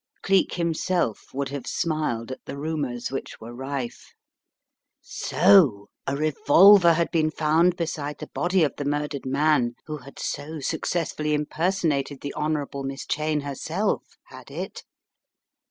Cleek himself would have smiled at the rumours which were rife. So a revolver had been found beside the body of the murdered man who had so successfully imper sonated the Honourable Miss Cheyne herself, had it?